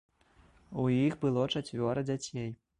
У іх было чацвёра дзяцей.